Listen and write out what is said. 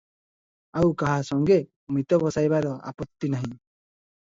ଆଉ କାହା ସଙ୍ଗେ ମିତ ବସିବାରେ ଆପତ୍ତି ନାହିଁ ।